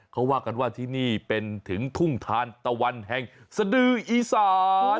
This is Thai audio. เขาว่ากันว่าที่นี่เป็นถึงทุ่งทานตะวันแห่งสดืออีสาน